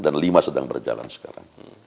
dan lima sedang berjalan sekarang